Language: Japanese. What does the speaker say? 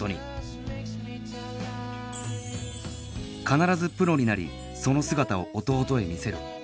「必ずプロになりその姿を弟へ見せる」